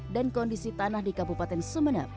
dan kondisi tanah di kabupaten sumeneb